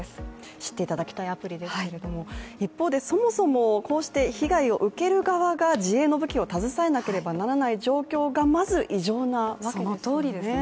知っていただきたいアプリですけれども、一方でそもそもこうして被害を受ける側が自衛の武器を携えなければいけない状況がまず異常なわけですよね。